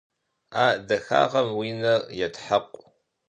А дахагъэм уи нэр етхьэкъу.